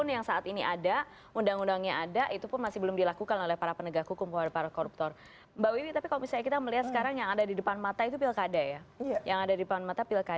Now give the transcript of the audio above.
yang ada di depan mata pilkada